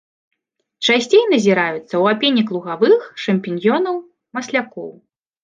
Часцей назіраюцца ў апенек лугавых, шампіньёнаў, маслякоў.